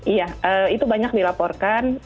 iya itu banyak dilaporkan